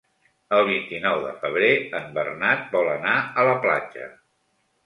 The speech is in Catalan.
El vint-i-nou de febrer en Bernat vol anar a la platja.